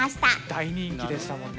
大人気でしたもんね。